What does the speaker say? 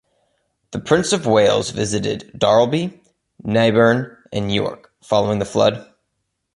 The Prince of Wales visited Barlby, Naburn and York following the flood.